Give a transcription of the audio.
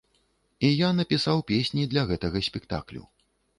І я напісаў песні для гэтага спектаклю.